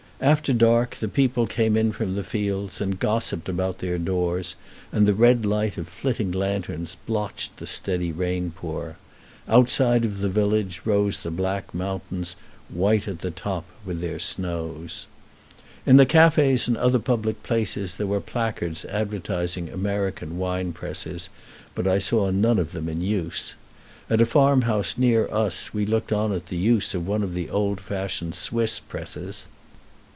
After dark the people came in from the fields and gossiped about their doors, and the red light of flitting lanterns blotched the steady rainpour. Outside of the village rose the black mountains, white at the top with their snows. [Illustration: The Wine press] In the cafés and other public places there were placards advertising American wine presses, but I saw none of them in use. At a farm house near us we looked on at the use of one of the old fashioned Swiss presses.